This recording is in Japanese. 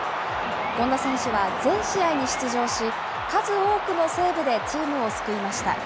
権田選手は全試合に出場し、数多くのセーブでチームを救いました。